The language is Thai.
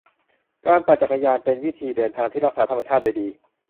การปั่นจักรยานเป็นวิธีเดินทางที่รักษาธรรมชาติได้ดี